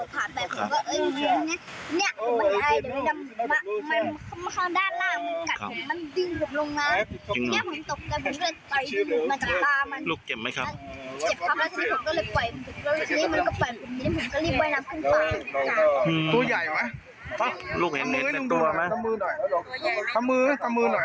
พยายามจะหาวันนี้ใดน่าจะมาหัวหลัง